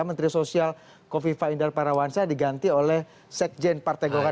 menteri sosial kofifa indar parawansa diganti oleh sekjen partai golkar